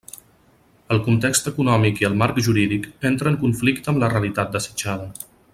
El context econòmic i el marc jurídic entra en conflicte amb la realitat desitjada.